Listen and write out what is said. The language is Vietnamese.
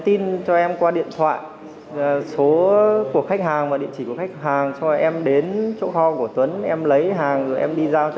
tình trạng buôn lậu thuốc lá là rất nguy hiểm